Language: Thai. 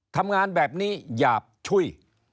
ทำงานแบบนี้อยากช่วย